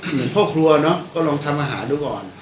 เหมือนพ่อครัวเนอะก็ลองทำอาหารดูก่อน